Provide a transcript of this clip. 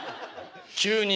急に。